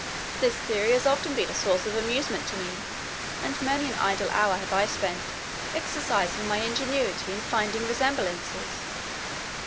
This theory has often been a source of amusement to me; and many an idle hour have I spent, exercising my ingenuity in finding resemblances.